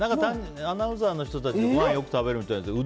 アナウンサーの人たちでごはん、よく食べるみたいで。